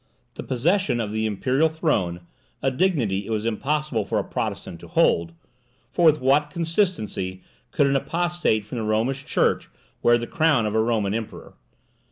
The possession of the imperial throne a dignity it was impossible for a Protestant to hold, (for with what consistency could an apostate from the Romish Church wear the crown of a Roman emperor?)